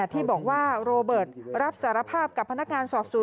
ที่บอกว่าโรเบิร์ตรับสารภาพกับพนักงานสอบสวน